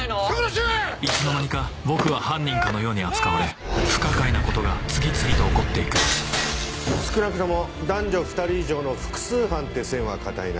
いつの間にか僕は犯人かのように扱われ不可解なことが次々と起こって行く少なくとも男女２人以上の複数犯って線は堅いな。